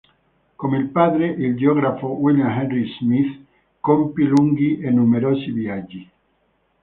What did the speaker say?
Come il padre, il geografo William Henry Smyth, compì lunghi e numerosi viaggi.